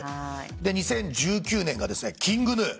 ２０１９年がＫｉｎｇＧｎｕ。